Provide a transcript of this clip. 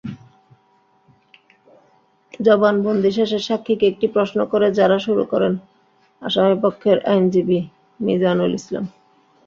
জবানবন্দি শেষে সাক্ষীকে একটি প্রশ্ন করে জেরা শুরু করেন আসামিপক্ষের আইনজীবী মিজানুল ইসলাম।